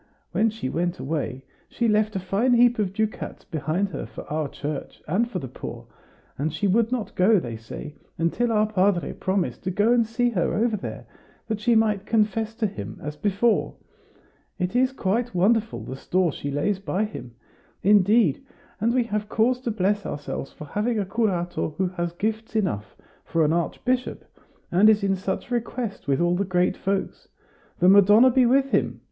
When she went away, she left a fine heap of ducats behind her for our church, and for the poor; and she would not go, they say, until our padre promised to go and see her over there, that she might confess to him as before. It is quite wonderful, the store she lays by him! Indeed, and we have cause to bless ourselves for having a curato who has gifts enough for an archbishop, and is in such request with all the great folks. The Madonna be with him!"